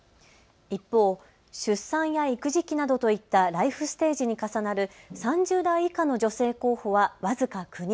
一方、出産や育児期などといったライフステージに重なる３０代以下の女性候補は僅か９人。